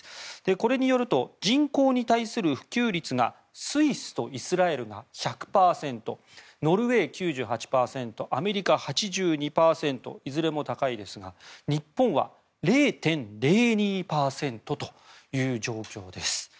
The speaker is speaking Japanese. これによると人口に対する普及率がスイスとイスラエルが１００％ノルウェー、９８％アメリカ、８２％いずれも高いですが日本は０．０２％という状況です。